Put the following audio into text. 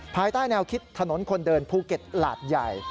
ภายใต้แนวคิดถนนคนเดินภูเก็ตหลาดใหญ่